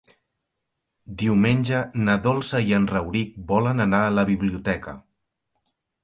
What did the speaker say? Diumenge na Dolça i en Rauric volen anar a la biblioteca.